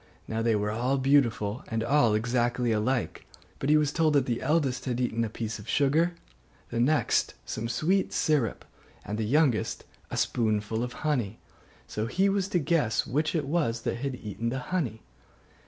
Now they were all beautiful, and all exactly alike: but he was told that the eldest had eaten a piece of sugar, the next some sweet syrup, and the youngest a spoonful of honey; so he was to guess which it was that had eaten the honey.